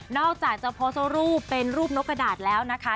อกจากจะโพสต์รูปเป็นรูปนกกระดาษแล้วนะคะ